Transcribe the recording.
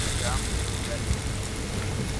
ٿر ۾ ڄام بيروگاري هي.